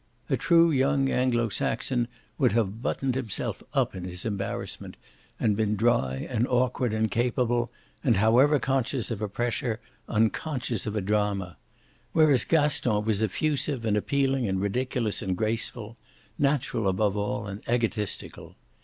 A true young Anglo Saxon would have buttoned himself up in his embarrassment and been dry and awkward and capable, and, however conscious of a pressure, unconscious of a drama; whereas Gaston was effusive and appealing and ridiculous and graceful natural above all and egotistical.